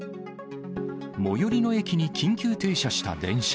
最寄りの駅に緊急停車した電車。